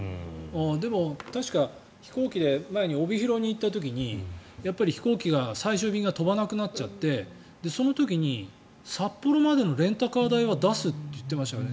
でも、確か飛行機で前に帯広に行った時にやっぱり飛行機が最終便が飛ばなくなっちゃってその時に札幌までのレンタカー代は出すと言ってましたからね。